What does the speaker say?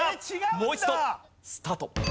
もう一度スタート。